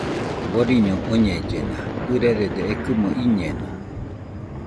Boriño oñellena, ɨrarede ekɨmo iñeno